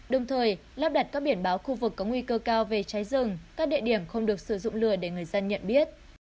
đồng thời lắp đặt các biển báo khu vực có nguy cơ cao về cháy rừng các địa điểm không được sử dụng lừa để người dân nhận biết